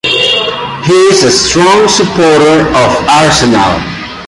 He is a strong supporter of Arsenal.